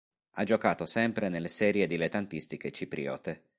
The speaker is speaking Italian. Ha giocato sempre nelle serie dilettantistiche cipriote.